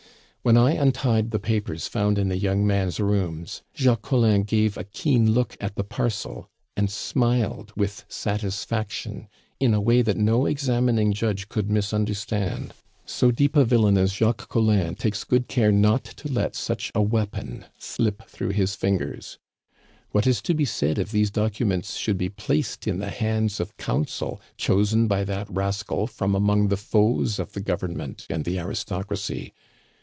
When I untied the papers found in the young man's rooms, Jacques Collin gave a keen look at the parcel, and smiled with satisfaction in a way that no examining judge could misunderstand. So deep a villain as Jacques Collin takes good care not to let such a weapon slip through his fingers. What is to be said if these documents should be placed in the hands of counsel chosen by that rascal from among the foes of the government and the aristocracy!